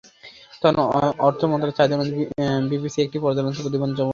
তখন অর্থ মন্ত্রণালয়ের চাহিদা অনুযায়ী বিপিসি একটি পর্যালোচনা প্রতিবেদন জমা দেয়।